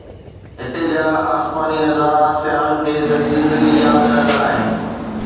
هتي جا آسماني نظارا سياحن کي سڄي زندگي ياد رهندا آهن